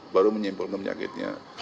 baru menyimpulkan penyakitnya